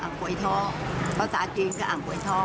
อังกวยท่อภาษาจีนก็อังกวยท่อ